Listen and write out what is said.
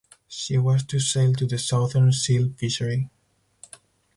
She was to sail to the Southern Seal Fishery.